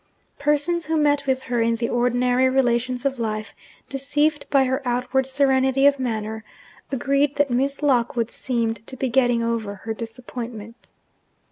Persons who met with her in the ordinary relations of life, deceived by her outward serenity of manner, agreed that 'Miss Lockwood seemed to be getting over her disappointment.'